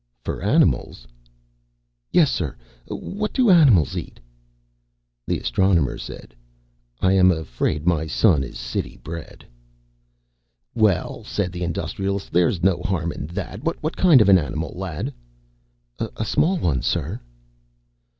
"For animals?" "Yes, sir. What do animals eat?" The Astronomer said, "I am afraid my son is city bred." "Well," said the Industrialist, "there's no harm in that. What kind of an animal, lad?" "A small one, sir."